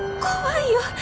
怖いよ